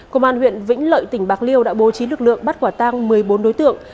công an huyện vĩnh lợi tỉnh bạc liêu đã bố trí lực lượng bắt quả tang một mươi bốn đối tượng